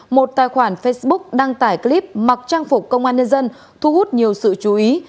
một tài khoản facebook đăng tải clip mặc trang phục công an nhân dân thu hút nhiều sự chú ý